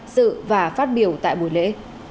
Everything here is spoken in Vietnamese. sự và phát biểu tại buổi lễ